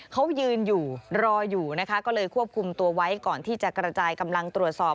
เขายืนอยู่รออยู่นะคะก็เลยควบคุมตัวไว้ก่อนที่จะกระจายกำลังตรวจสอบ